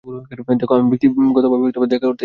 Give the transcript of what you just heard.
দেখো, আমি ব্যক্তিগতভাবে দেখা করতে এসেছি, বলো।